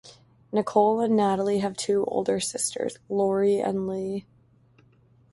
Nicole and Natalie have two older sisters, Lori and Lee.